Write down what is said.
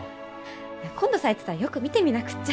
今度咲いてたらよく見てみなくっちゃ。